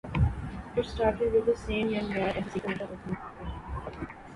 It started with the same young boy as the "Seeker" in the opening ceremony.